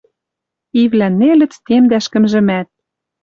Ивлӓн нелӹц темдӓ ӹшкӹмжӹмӓт.